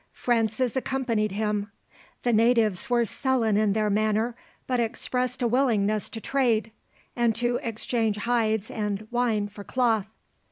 Francis accompanied him. The natives were sullen in their manner, but expressed a willingness to trade, and to exchange hides and wine for cloth.